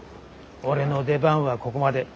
俺の出番はここまで。